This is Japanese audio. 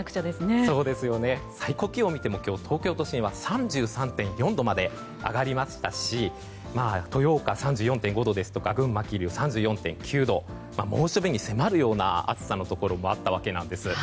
最高気温を見ても東京都心は３３．４度まで上がりましたし豊岡、３４．５度ですとか群馬の桐生で３４．９度猛暑日に迫るような暑さのところもあったようです。